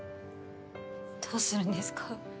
どうするんですか？